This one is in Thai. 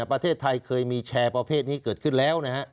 ประเทศไทยเคยมีแชร์ประเภทนี้เกิดขึ้นแล้วนะฮะ